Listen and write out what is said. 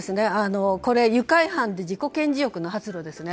これ、愉快犯で自己顕示欲の発露ですね。